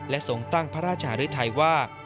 ทรงตั้งพระราชหรือไทยว่า